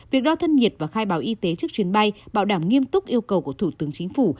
việc đo thân nhiệt và khai báo y tế trước chuyến bay bảo đảm nghiêm túc yêu cầu của thủ tướng chính phủ